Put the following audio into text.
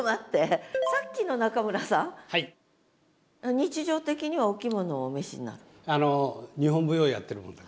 日常的にはお着物をお召しになる？えっ！？